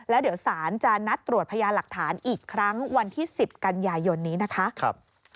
แล้วเดี๋ยวสารจะนัดตรวจพยานหลักฐานอีกครั้งวันที่๑๐กันยายนนี้นะคะ